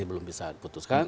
belum bisa putuskan